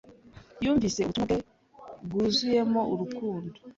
Yumvise ubutumwa bwe bwuzuyemo urukundo,